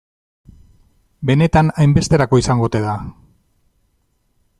Benetan hainbesterako izango ote da?